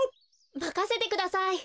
まかせてください。